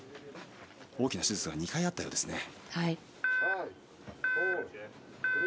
大きな手術が２回あったようです。